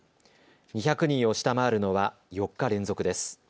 ２００人を下回るのは４日連続です。